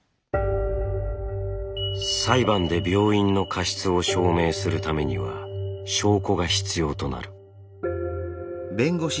裁判で病院の過失を証明するためには証拠が必要となる。